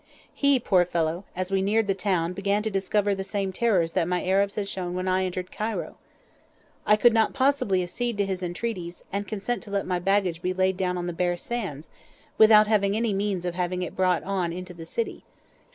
He, poor fellow, as we neared the town began to discover the same terrors that my Arabs had shown when I entered Cairo. I could not possibly accede to his entreaties and consent to let my baggage be laid down on the bare sands, without any means of having it brought on into the city.